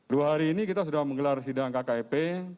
dua hari ini kita sudah menggelar sidang kkep